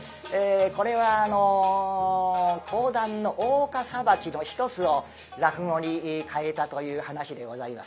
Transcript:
これはあの講談の大岡裁きの一つを落語に替えたという噺でございます。